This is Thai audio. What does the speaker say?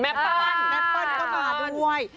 แม่เปิ้ลก็มาด้วย